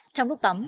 trong lúc tắm